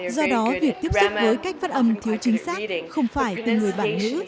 do đó việc tiếp xúc với cách phát âm thiếu chính xác không phải từ người bản ngữ